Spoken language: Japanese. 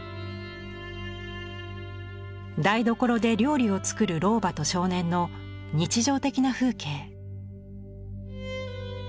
台所で料理を作る老婆と少年の日常的な風景。